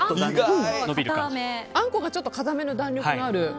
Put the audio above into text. あんこがちょっと硬めの弾力がある。